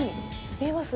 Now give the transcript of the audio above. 見えます？